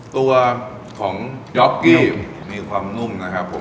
ตัวของยอกกี้มีความนุ่มนะครับผม